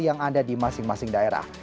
yang ada di masing masing daerah